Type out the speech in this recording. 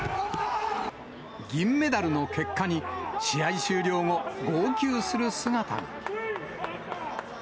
銀メダルの結果に、試合終了後、号泣する姿が。